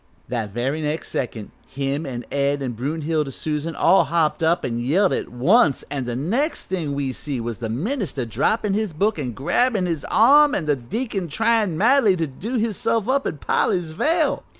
"That very next second him an' Ed an' Brunhilde Susan all hopped an' yelled at once, an' the next thing we see was the minister droppin' his book an' grabbin' his arm an' the deacon tryin' madly to do hisself up in Polly's veil.